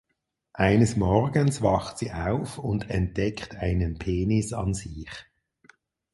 Eines Morgens wacht sie auf und entdeckt einen Penis an sich.